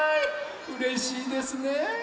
うれしいですね！